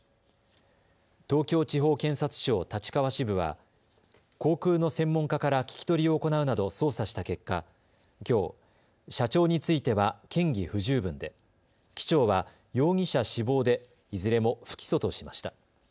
東京地方検察庁立川支部は航空の専門家から聞き取りを行うなど捜査した結果、きょう、社長については嫌疑不十分で、機長は容疑者死亡でいずれも不起訴としました。